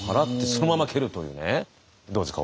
どうですか？